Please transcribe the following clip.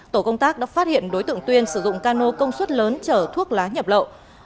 tổ công tác đã phát hiện đối tượng tuyên sử dụng cano công suất lớn chở thuốc lá nhập lậu